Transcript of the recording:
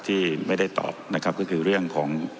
ที่ไม่ได้ตอบนะครับก็คือเรื่องของ